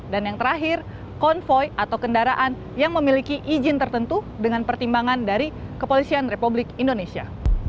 dan yang terakhir konvoy atau kendaraan yang memiliki izin tertentu dengan pertimbangan dari kepolisian republik indonesia